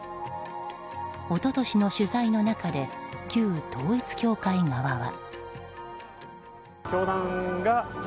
一昨年の取材の中で旧統一教会側は。